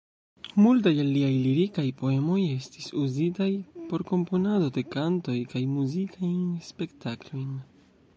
Multaj el liaj lirikaj poemoj estis uzitaj por komponado de kantoj kaj muzikajn spektaklojn.